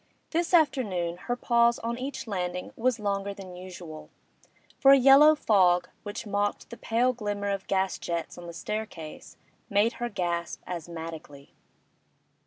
This afternoon her pause on each landing was longer than usual, for a yellow fog, which mocked the pale glimmer of gas jets on the staircase, made her gasp asthmatically.